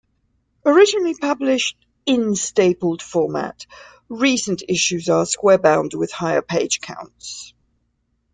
Originally published in stapled format, recent issues are square bound with higher page counts.